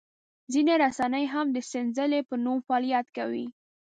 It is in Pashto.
ځینې رسنۍ هم د سنځلې په نوم فعالیت کوي.